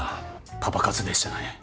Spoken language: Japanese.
パパ活でしたね。